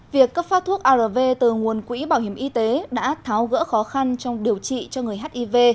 việc cấp phát thuốc arv từ nguồn quỹ bảo hiểm y tế đã tháo gỡ khó khăn trong điều trị cho người hiv